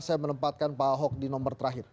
saya menempatkan pak ahok di nomor terakhir